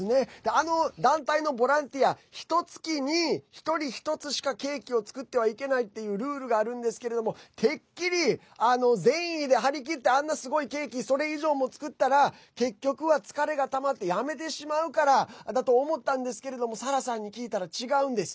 あの団体のボランティアひとつきに１人１つしかケーキを作ってはいけないっていうルールがあるんですけれどもてっきり、善意で張り切ってあんなすごいケーキそれ以上も作ったら結局は疲れがたまってやめてしまうからだと思ったんですけれどもサラさんに聞いたら違うんです。